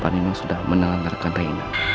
panino sudah menelankan rena